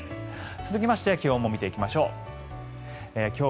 続きまして気温も見ていきましょう。